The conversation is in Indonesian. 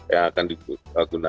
yang akan digunakan untuk pembangkit